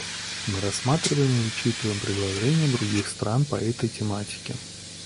Мы рассматриваем и учитываем предложения других стран по этой тематике.